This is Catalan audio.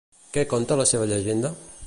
Què conta la seva llegenda?